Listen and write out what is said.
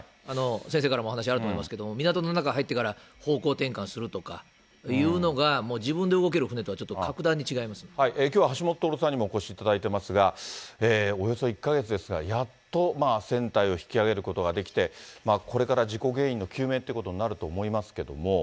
先生からもお話あると思いますけれども、港の中入ってから方向転換するとかいうのが自分で動ける船とはちきょうは橋下徹さんにもお越しいただいてますが、およそ１か月ですが、やっと船体を引き揚げることができて、これから事故原因の究明ということになると思いますけれども。